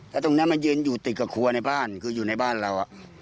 แล้วตรงนี้มันยืนอยู่ติดกับครัวในบ้านคืออยู่ในบ้านเรา